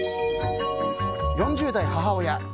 ４０代母親。